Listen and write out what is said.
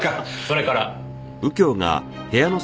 それから。